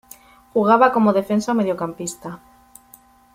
Jugaba como defensa o mediocampista.